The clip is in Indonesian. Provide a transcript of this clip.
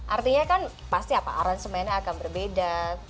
artinya kan pasti apa aransemennya akan berbeda